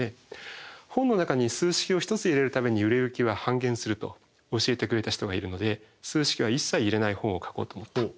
本の中に数式を１つ入れるたびに売れ行きは半減すると教えてくれた人がいるので数式はいっさい入れない本を書こうと思った。